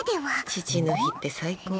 父の日って最高。